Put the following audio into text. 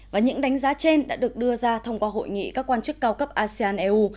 và những đánh giá trên đã được đưa ra thông qua hội nghị các quan chức cao cấp asean eu